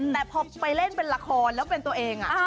แต่พอไปเล่นเป็นละครแล้วเป็นตัวเอง